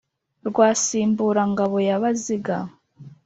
rwa simbura-ngabo ya baziga